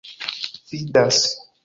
fidas